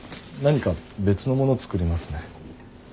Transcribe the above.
何か別のもの作りますね。